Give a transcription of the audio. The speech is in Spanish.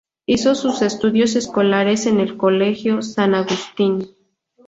Hizo sus estudios escolares en el Colegio San Agustín.